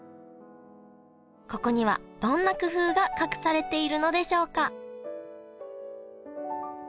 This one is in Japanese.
ここにはどんな工夫が隠されているのでしょうか？